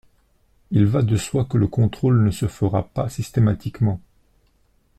Il va de soi que le contrôle ne se fera pas systématiquement.